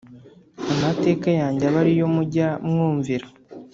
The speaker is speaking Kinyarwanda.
Amateka yanjye abe ari yo mujya mwumvira